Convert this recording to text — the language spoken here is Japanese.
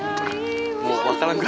もう。